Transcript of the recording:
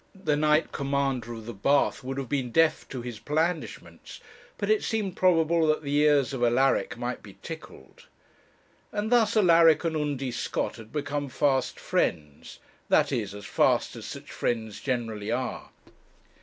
The Knight Commander of the Bath would have been deaf to his blandishments; but it seemed probable that the ears of Alaric might be tickled. And thus Alaric and Undy Scott had become fast friends; that is, as fast as such friends generally are.